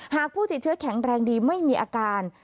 ผู้ติดเชื้อแข็งแรงดีไม่มีอาการ